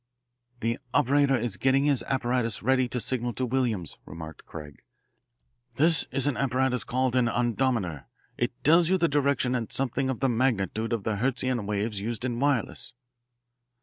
"The operator is getting his apparatus ready to signal to Williams," remarked Craig. "This is an apparatus called an ondometer. It tells you the direction and something of the magnitude of the Hertzian waves used in wireless."